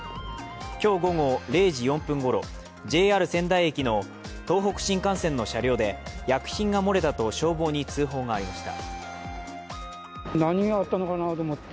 今日午後１時４分ごろ、ＪＲ仙台駅の東北新幹線の車両で薬品が漏れたと消防に通報がありました。